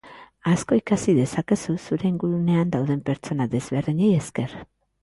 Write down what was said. Asko ikasi dezakezu zure ingurunean dauden persona desberdinei esker.